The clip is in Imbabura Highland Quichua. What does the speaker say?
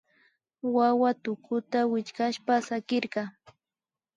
Wawa tukuta wichkashpa sakirka